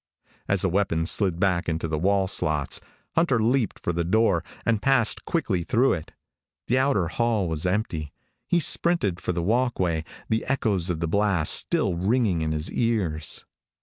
As the weapons slid back into the wall slots, Hunter leaped for the door, and passed quickly through it. The outer hall was empty. He sprinted for the walk way, the echoes of the blast still ringing in his ears.